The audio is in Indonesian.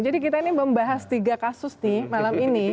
jadi kita ini membahas tiga kasus nih malam ini